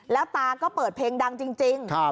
แล้วตาก็เปิดเพลงดังจริง